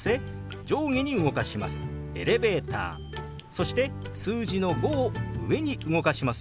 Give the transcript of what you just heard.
そして数字の「５」を上に動かしますよ。